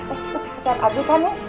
eh tuh si kecap adikannya